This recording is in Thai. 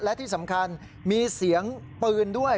และที่สำคัญมีเสียงปืนด้วย